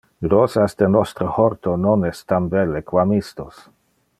Rosas de nostre horto non es tam belle quam istos.